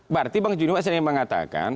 berarti bang juniwak sendiri yang mengatakan